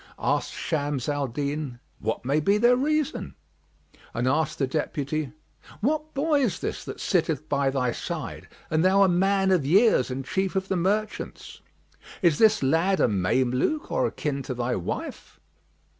Asked Shams al Din, "What may be their reason?"; and asked the Deputy, "What boy is this that sitteth by thy side and thou a man of years and chief of the merchants? Is this lad a Mameluke or akin to thy wife?